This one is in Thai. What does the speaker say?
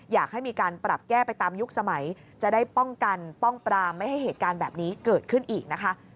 อยากให้มีการปรับแก้ไปตามยุคสมัยจะได้ป้องกันป้องปรามไม่ให้เหตุการณ์แบบนี้เกิดขึ้นอีกนะคะ